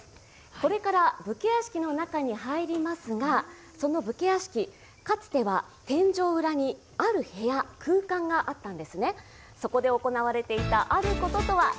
これから武家屋敷の中に入りますがその武家屋敷、かつては天井裏にある部屋、いってらっしゃい！